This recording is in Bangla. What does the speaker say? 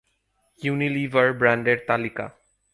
ইউনিলিভার ব্র্যান্ডের তালিকা